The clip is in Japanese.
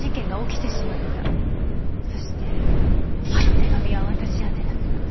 そしてあの手紙は私宛てだった。